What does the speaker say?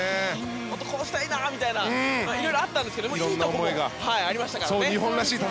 もっとこうしたいなみたいな色々あったんですがいいところもありましたからね。